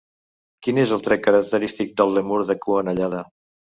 Quin és el tret característic del lèmur de cua anellada?